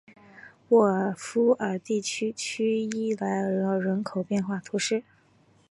沃埃夫尔地区圣伊莱尔人口变化图示